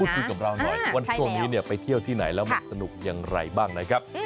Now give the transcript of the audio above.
พูดกันกับเราหน่อยวันถึงที่ไหนแล้วมันสนุกอย่างไรบ้างนะครับ